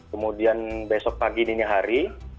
kemudian besok pagi dini hari